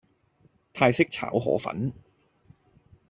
泰式炒河粉